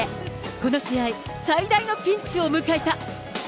この試合、最大のピンチを迎えた。